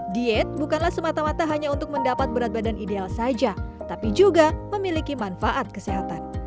diet bukanlah semata mata hanya untuk mendapat berat badan ideal saja tapi juga memiliki manfaat kesehatan